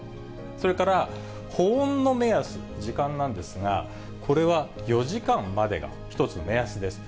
それから保温の目安、時間なんですが、これは４時間までが一つの目安です。